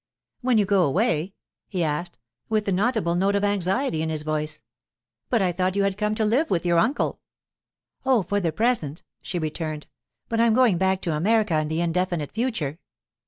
'When you go away?' he asked, with an audible note of anxiety in his voice. 'But I thought you had come to live with your uncle.' 'Oh, for the present,' she returned. 'But I'm going back to America in the indefinite future.